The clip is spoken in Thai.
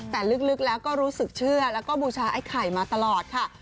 แต่ลึกแล้วก็รู้สึกเชื่อแล้วก็บูชาไอ้ไข่มาตลอดค่ะ